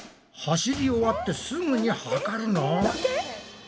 走り終わってすぐに測るの？